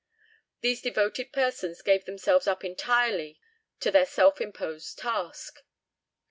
" These devoted persons gave themselves up entirely to their self imposed task.